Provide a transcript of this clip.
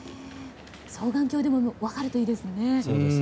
双眼鏡で分かるといいですね。